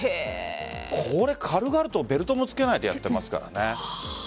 これ軽々とベルトもつけないでやっていますからね。